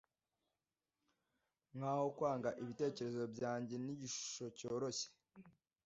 Nkaho kwanga ibitekerezo byanjye nigishusho cyoroshye